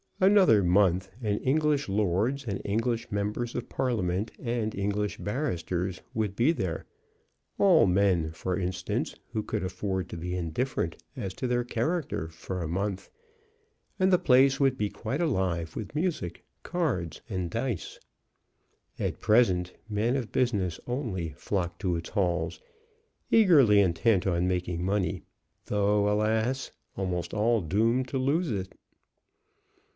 Another month, and English lords, and English members of Parliament, and English barristers would be there, all men, for instance, who could afford to be indifferent as to their character for a month, and the place would be quite alive with music, cards, and dice. At present men of business only flocked to its halls, eagerly intent on making money, though, alas! almost all doomed to lose it.